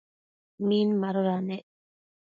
Min madoda nec ?